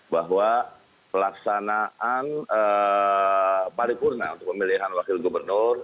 bahwa pelaksanaan pari kurna untuk pemilihan wakil gubernur